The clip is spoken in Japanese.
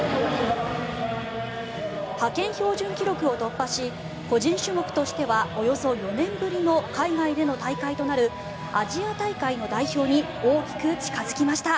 派遣標準記録を突破し個人種目としてはおよそ４年ぶりの海外での大会となるアジア大会の代表に大きく近付きました。